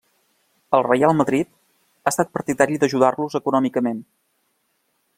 El Reial Madrid ha estat partidari d'ajudar-los econòmicament.